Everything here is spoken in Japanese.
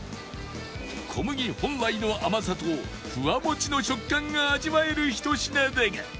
小麦本来の甘さとふわもちの食感が味わえる１品だが